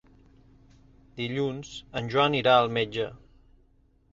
Dilluns en Joan irà al metge.